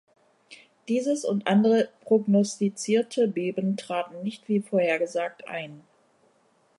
Dieses und andere prognostizierte Beben traten nicht wie vorhergesagt ein.